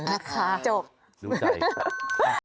อ่าค่ะจบรู้ใจครับค่ะ